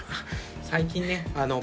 最近ね